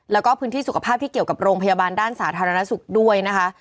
แล้วก็พื้นที่สุขภาพที่เกี่ยวกับโรงพยาบาลด้านสาธารณสุขด้วยนะคะ